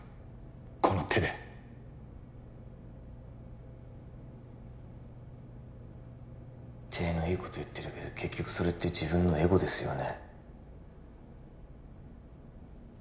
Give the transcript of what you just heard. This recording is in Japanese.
この手で体のいいこと言ってるけど結局それって自分のエゴですよね